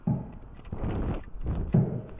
দেখো, আমারও লাগছে।